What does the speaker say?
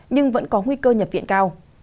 nhưng vẫn có nguy cơ nhập viện cao